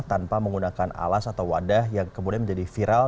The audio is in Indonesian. tanpa menggunakan alas atau wadah yang kemudian menjadi viral